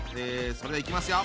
それではいきますよ。